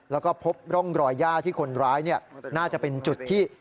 แล้วก็พบร่องรอยย่าที่คนร้ายน่าจะเป็นจุดที่